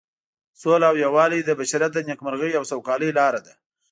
سوله او یووالی د بشریت د نیکمرغۍ او سوکالۍ لاره ده.